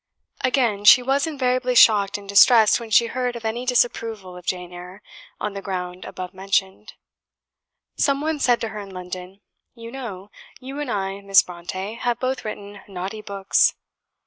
Again, she was invariably shocked and distressed when she heard of any disapproval of "Jane Eyre" on the ground above mentioned. Some one said to her in London, "You know, you and I, Miss Brontë, have both written naughty books!"